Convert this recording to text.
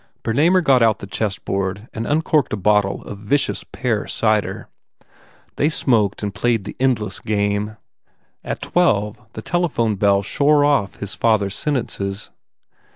Bernamer got out the chessboard and uncorked a bottle of vicious pear cider. They smoked and played the endless game. At twelve the telephone bell shore off his father s sentences.